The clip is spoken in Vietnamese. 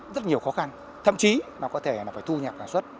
rất nhiều khó khăn thậm chí nó có thể là phải thu nhập sản xuất